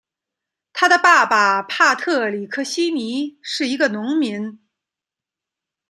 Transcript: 他的爸爸帕特里克希尼是一个农民。